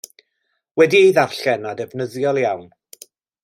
Wedi ei ddarllen a defnyddiol iawn.